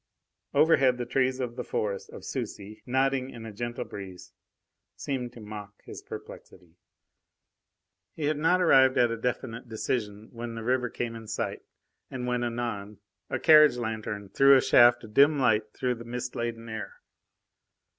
Overhead the trees of the forest of Sucy, nodding in a gentle breeze, seemed to mock his perplexity. He had not arrived at a definite decision when the river came in sight, and when anon a carriage lanthorn threw a shaft of dim light through the mist laden air.